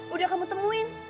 udah kamu temuin